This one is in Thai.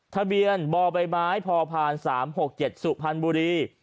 ทะเบียนบ่อใบไม้พอผ่าน๓๖๗สุภัณฑ์บุรี